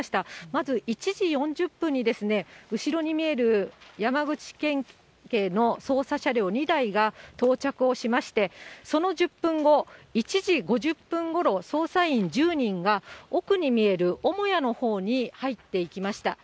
まず１時４０分に後ろに見える山口県警の捜査車両２台が到着をしまして、その１０分後、１時５０分ごろ、捜査員１０人が、奥に見える母屋のほうに入っていきました。